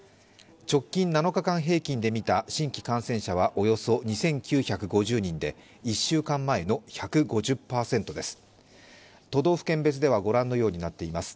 直近７日間平均でみた新規感染者は、およそ２９５０人で、１週間前の１５０％です。